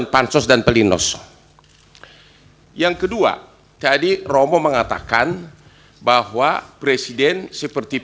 jadi saya tinggal cukup banyak tersedia airnya